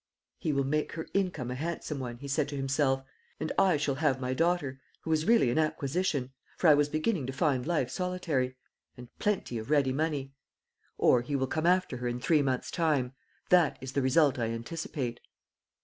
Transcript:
"He will make her income a handsome one," he said to himself, "and I shall have my daughter who is really an acquisition, for I was beginning to find life solitary and plenty of ready money. Or he will come after her in three months' time. That is the result I anticipate."